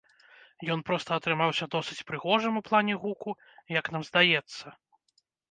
Ён проста атрымаўся досыць прыгожым у плане гуку, як нам здаецца.